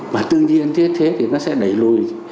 mà tương nhiên thế thì nó sẽ đẩy lùi